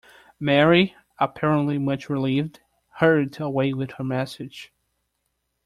Mary, apparently much relieved, hurried away with her message.